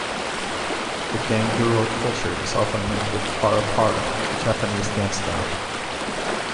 The "ganguro" culture is often linked with "para para", a Japanese dance style.